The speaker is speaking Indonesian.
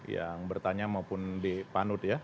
yang bertanya maupun de panut ya